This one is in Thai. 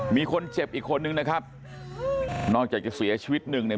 มีคนเจ็บอีกคนนึงนะครับนอกจากจะเสียชีวิตหนึ่งเนี่ย